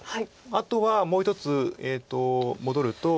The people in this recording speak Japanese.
あとはもう一つ戻ると。